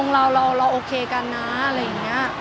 เราโอเคกันนะอะไรอย่างนี้